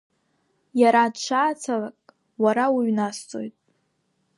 Иара дшаацалак, уара уҩнасҵоит.